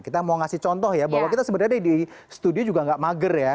kita mau ngasih contoh ya bahwa kita sebenarnya di studio juga nggak mager ya